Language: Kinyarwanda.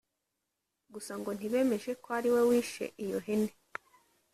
gusa ngo ntibemeje ko ari we wishe iyo hene